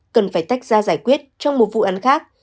cần phải tách ra giải quyết trong một vụ án khác